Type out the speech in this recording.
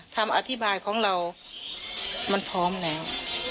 คำอธิบายของเรามันพร้อมแล้ว